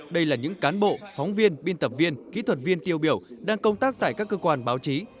đây là những cán bộ phóng viên biên tập viên kỹ thuật viên tiêu biểu đang công tác tại các cơ quan báo chí